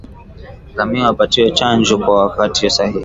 Ngamia wapatiwe chanjo kwa wakati sahihi